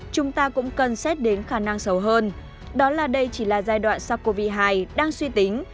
chúng ta cũng cần xét đến khả năng sầu hơn đó là đây chỉ là giai đoạn sau covid một mươi chín đang suy tính